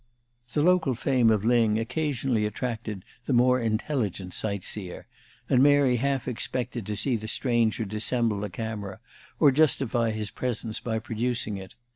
The local fame of Lyng occasionally attracted the more intelligent sight seer, and Mary half expected to see the stranger dissemble a camera, or justify his presence by producing it.